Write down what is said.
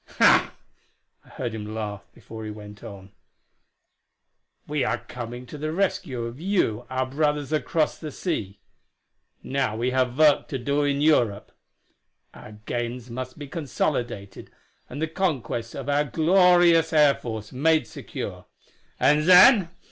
I heard him laugh before he went on: "We are coming to the rescue of you, our brothers across the sea. Now we have work to do in Europe; our gains must be consolidated and the conquests of our glorious air force made secure. And then